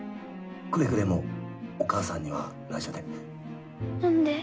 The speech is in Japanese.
くれぐれもお母さんにはないしょでなんで？